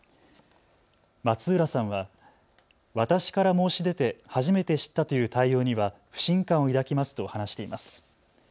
松浦さんは私から申し出て初めて知ったという対応には不信感を抱きますと話しています。